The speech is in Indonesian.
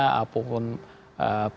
pemerintah atau mungkin bahan bahannya